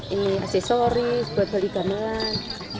ini aksesoris buat bali gamelan